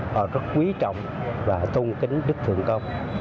họ rất quý trọng và tôn tính đức thượng công